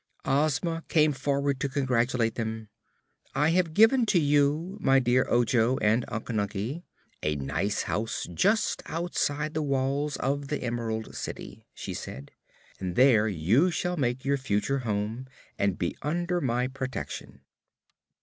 Ozma came forward to congratulate them. "I have given to you, my dear Ojo and Unc Nunkie, a nice house just outside the walls of the Emerald City," she said, "and there you shall make your future home and be under my protection."